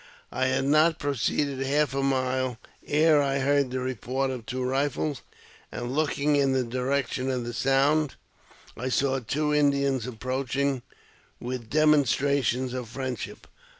I had not proceeded half a mile ere I heard the report of two rifles, and, looking in the direction of the sound, I saw two Indians ap proaching with demonstrations of friendship.